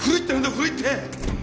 古いって！